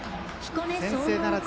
先制ならず。